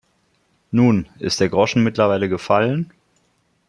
Nun, ist der Groschen mittlerweile gefallen?